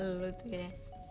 lalu tuh ya